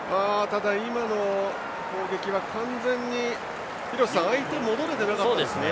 ただ、今の攻撃は完全に廣瀬さん、相手は戻れてなかったですね。